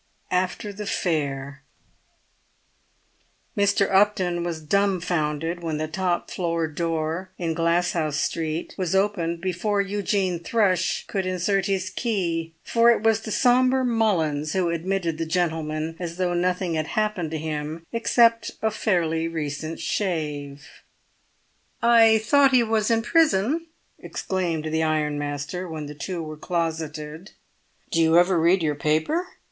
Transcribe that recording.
AFTER THE FAIR Mr. Upton was dumfoundered when the top floor door in Glasshouse Street was opened before Eugene Thrush could insert his key; for it was the sombre Mullins who admitted the gentleman as though nothing had happened to him except a fairly recent shave. "I thought he was in prison?" exclaimed the ironmaster when the two were closeted. "Do you ever read your paper?"